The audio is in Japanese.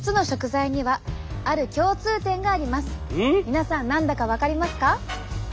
皆さん何だか分かりますか？